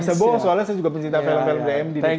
saya bohong soalnya saya juga pencipta film film di md nih pak ya